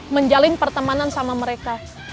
menjalin pertemanan sama mereka